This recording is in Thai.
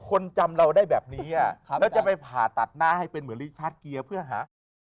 คนจำเราได้แบบนี้แล้วจะไปผ่าตัดหน้าให้เป็นเหมือนลิชาร์จเกียร์เพื่อหาอะไร